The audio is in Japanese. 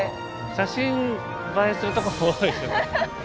写真映えするとこも多いですよね。